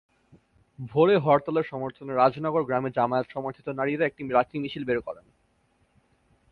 ভোরে হরতালের সমর্থনে রাজনগর গ্রামে জামায়াত-সমর্থিত নারীরা একটি লাঠি মিছিল বের করেন।